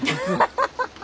アハハハハ！